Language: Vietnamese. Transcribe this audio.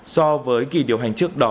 so với kỳ điều hành trước đó